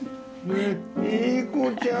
いい子ちゃん！